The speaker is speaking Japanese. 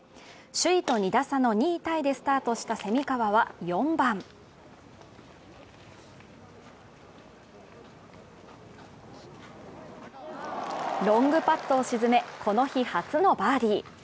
首位と２打差の２位タイでスタートした蝉川は、４番ロングパットを沈めこの日初のバーディー。